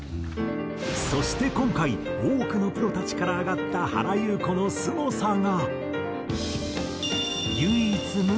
そして今回多くのプロたちから挙がった原由子のすごさが。